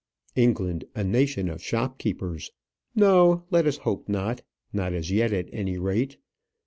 England a nation of shopkeepers! No, let us hope not; not as yet, at any rate.